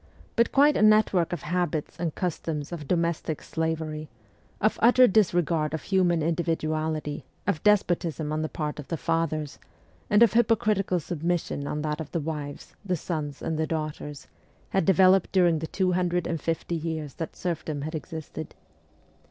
But quite a network of habits and customs of domestic slavery, of utter disregard of human individuality, of despotism on the part of the fathers, and of hypocritical submission on that of the wives, the sons, and the daughters, had developed during the two hundred and fifty years that serfdom had existed.